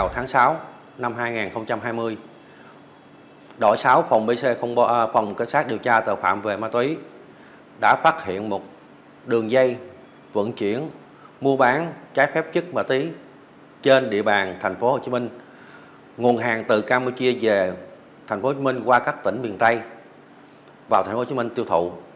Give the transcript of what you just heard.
thành phố hồ chí minh nguồn hàng từ campuchia về thành phố hồ chí minh qua các tỉnh miền tây vào thành phố hồ chí minh tiêu thụ